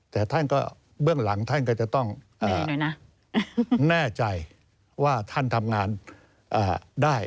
แต่ท่านก็เบื้องหลังท่านก็จะต้องแน่ใจว่าท่านทำงานได้